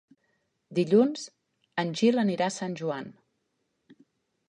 Dilluns en Gil anirà a Sant Joan.